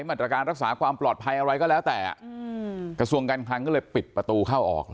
มาตรการรักษาความปลอดภัยอะไรก็แล้วแต่กระทรวงการคลังก็เลยปิดประตูเข้าออก